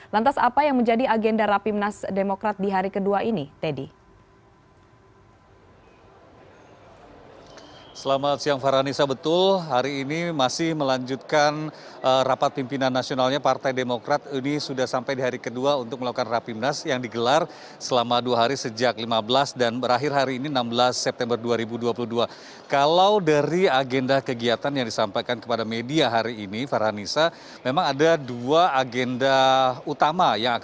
lantas apa yang menjadi agenda rapimnas demokrat di hari kedua ini teddy